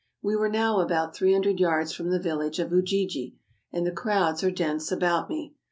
We were now about three hundred yards from the village of Ujiji, and the crowds are dense about me.